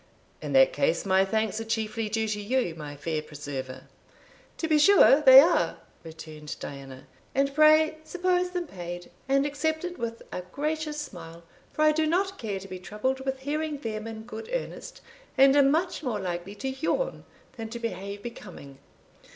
"In that case, my thanks are chiefly due to you, my fair preserver." "To be sure they are," returned Diana; "and pray, suppose them paid, and accepted with a gracious smile, for I do not care to be troubled with hearing them in good earnest, and am much more likely to yawn than to behave becoming.